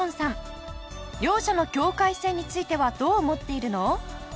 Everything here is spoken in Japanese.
両者の境界線についてはどう思っているの？